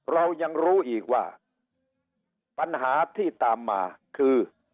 เรายังรู้อีกว่าปัญหาที่ตามมาคือ